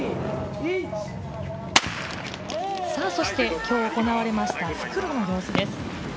今日行われました復路の様子です。